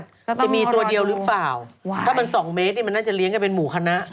ครับจะมีตัวเดียวหรือเปล่าว้าถ้ามันสองเมตรนี่มันน่าจะเลี้ยงกันเป็นหมู่คณะ